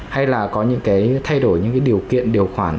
hay là có những cái thay đổi những cái điều kiện điều khoản